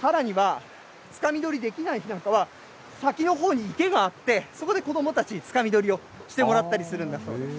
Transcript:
さらには、つかみ取りできない日なんかは、先のほうに池があって、そこで子どもたち、つかみ取りをしてもらったりするんだそうです。